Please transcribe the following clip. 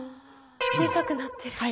小さくなってる。